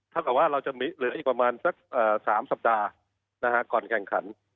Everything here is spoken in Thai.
กับว่าเราจะเหลืออีกประมาณสัก๓สัปดาห์ก่อนแข่งขัน